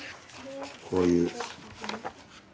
こういう。